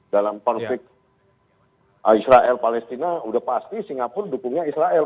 dalam konflik israel palestina udah pasti singapura dukungnya israel